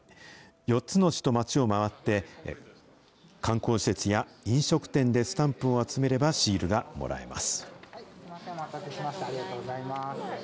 ４つの市と町を回って、観光施設や飲食店でスタンプを集めればシールがもらえます。